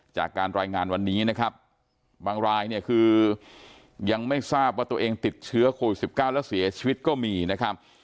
จากการรายงานวันนี้นะครับบางรายเนี่ยคือยังไม่ทราบว่าตัวเองติดเชื้อโควิด๑๙แล้วเสียชีวิตก็มีนะครับ